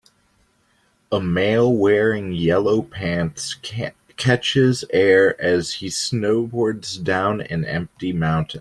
A male wearing yellow pants catches air as he snowboards down an empty mountain.